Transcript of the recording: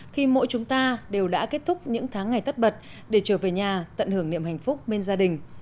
khi mỗi chúng ta đều đã kết thúc những tháng ngày tất bật để trở về nhà tận hưởng niềm hạnh phúc bên gia đình